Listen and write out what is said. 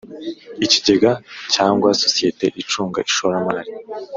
Ikigega cyangwa sosiyete icunga ishoramari